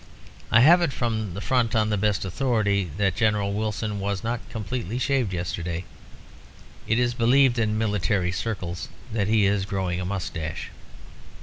I have it from the front on the best authority that General Wilson was not completely shaved yesterday. It is believed in military circles that he is growing a moustache....